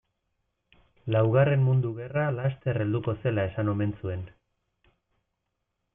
Laugarren mundu gerra laster helduko zela esan omen zuen.